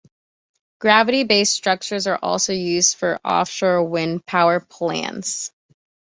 Gravity-based structures are also used for offshore wind power plants.